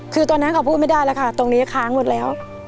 คือตอนนั้นเขาพูดไม่ได้แล้วค่ะตรงนี้ค้างหมดแล้ว